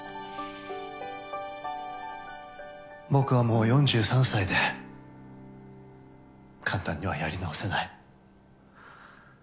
僕はもう４３歳で簡単にはやり直せない。